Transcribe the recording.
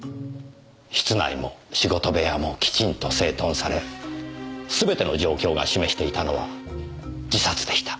室内も仕事部屋もきちんと整頓され全ての状況が示していたのは自殺でした。